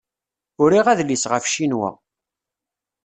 Uriɣ adlis ɣef Cinwa.